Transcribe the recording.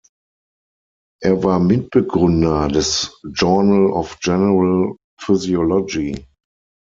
Er war Mitbegründer des "Journal of General Physiology".